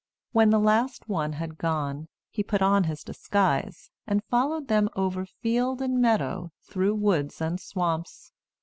When the last one had gone, he put on his disguise and followed them over field and meadow, through woods and swamps.